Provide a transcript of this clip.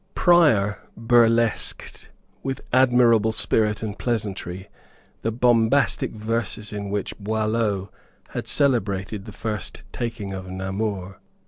Prior burlesqued, with admirable spirit and pleasantry, the bombastic verses in which Boileau had celebrated the first taking of Namur.